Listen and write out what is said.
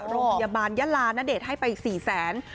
โรงพยาบาลยะลานนเดชน์ให้ไป๔๐๐๐๐๐บาท